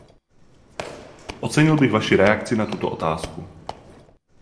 Ocenil bych vaši reakci na tuto otázku.